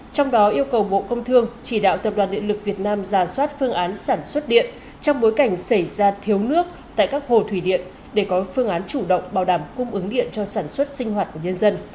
trong đó yêu cầu bộ công thương chỉ đạo tập đoàn điện lực việt nam ra soát phương án sản xuất điện trong bối cảnh xảy ra thiếu nước tại các hồ thủy điện để có phương án chủ động bảo đảm cung ứng điện cho sản xuất sinh hoạt của nhân dân